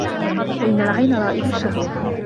فَإِنَّ الْعَيْنَ رَائِدُ الشَّهْوَةِ